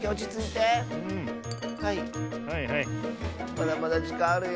まだまだじかんあるよ。